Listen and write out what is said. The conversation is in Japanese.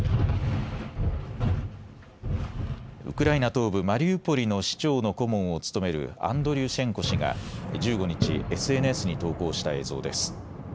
ウクライナ東部マリウポリの市長の顧問を務めるアンドリュシェンコ氏が１５日、ＳＮＳに投稿した映像です。